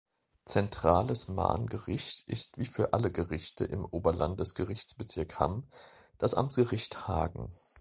Zentrales Mahngericht ist wie für alle Gerichte im Oberlandesgerichtsbezirk Hamm das Amtsgericht Hagen.